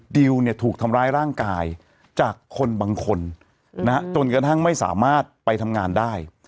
ดิวเนี่ยถูกทำร้ายร่างกายจากคนบางคนจนกระทั่งไม่สามารถไปทำงานได้